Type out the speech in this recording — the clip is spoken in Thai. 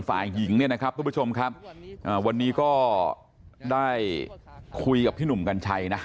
ฝ่ายหญิงเนี่ยนะครับทุกผู้ชมครับวันนี้ก็ได้คุยกับพี่หนุ่มกัญชัยนะ